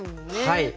はい。